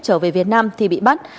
trở về việt nam thì bị bắt